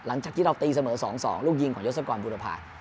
หลังจากที่เราตีเสมอ๒๒ลูกยิงของยศกรบุรพา